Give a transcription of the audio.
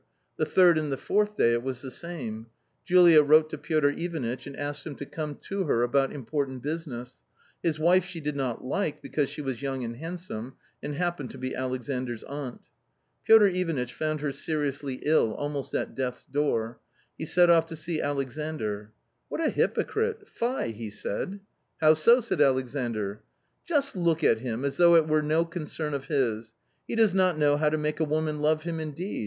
The third and the fourth day it was the same. Julia wrote to Piotr Ivanitch, and asked him to come to her about important business ; his wife she did not like, because she was young and handsome, and happened to be Alexandras aunt. Piotr Ivanitch found her seriously ill, almost at death's door. He set off to see Alexandr. " What a hypocrite ! fie !" he said. " How so !" said Alexandr. " Just look at him, as though it were no concern of his ! He does not know how to make a woman love him indeed